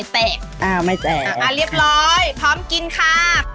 แตกอ้าวไม่แตกอ่าเรียบร้อยพร้อมกินค่ะ